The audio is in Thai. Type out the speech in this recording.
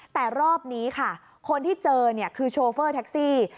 แต่รอบนี้ค่ะคนที่เจอเนี่ยคือโชเฟอร์แท็กซี่